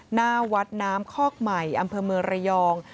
หน้าวัดน้ำคอกใหม่อำเภอเมืองระยอง